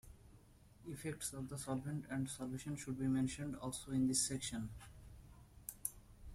Effects of the solvent and solvation should be mentioned also in this section.